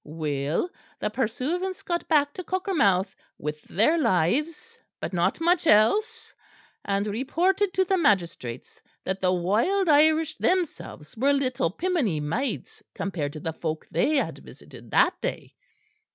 "Well, the pursuivants got back to Cockermouth with their lives, but not much else; and reported to the magistrates that the wild Irish themselves were little piminy maids compared to the folk they had visited that day.